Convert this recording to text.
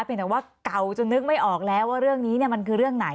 เป็นแต่ว่าเก่าจนนึกไม่ออกแล้วว่าเรื่องนี้มันคือเรื่องไหน